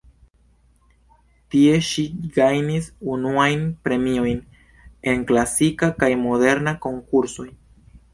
Tie ŝi gajnis unuajn premiojn en klasika kaj moderna konkursoj.